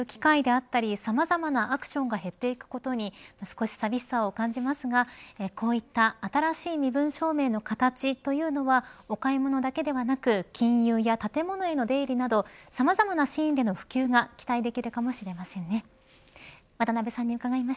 より便利になっていくことと引き換えに人と人が接する機会であったりさまざまなアクションが減っていくことに少し寂しさを感じますがこういった新しい身分証明の形というのはお買い物だけではなく金融や建物への出入りなどさまざまシーンでの普及が期待できるかもしれませんね。